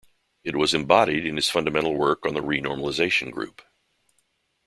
It was embodied in his fundamental work on the renormalization group.